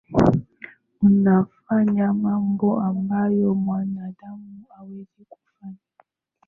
Unafanya mambo ambayo mwanadamu hawezi kufanya.